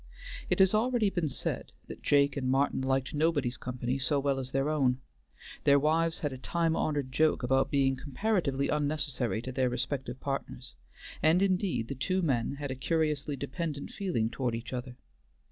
It has already been said that Jake and Martin liked nobody's company so well as their own. Their wives had a time honored joke about being comparatively unnecessary to their respective partners, and indeed the two men had a curiously dependent feeling toward each other.